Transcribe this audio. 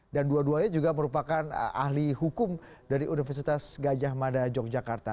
dan dua duanya juga merupakan ahli hukum dari universitas gajah mada yogyakarta